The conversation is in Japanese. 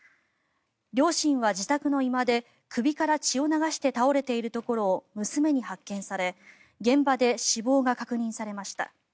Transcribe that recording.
両親は自宅の居間で首から血を流して倒れているところを娘に発見され現場で死亡が確認されました。